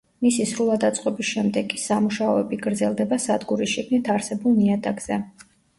მისი სრულად აწყობის შემდეგ კი სამუშაოები გრძელდება სადგურის შიგნით არსებულ ნიადაგზე.